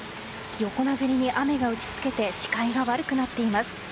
横殴りに雨が打ち付けて視界が悪くなっています。